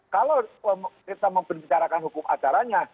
kalau kita membicarakan hukum acaranya